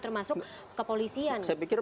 termasuk kepolisian saya pikir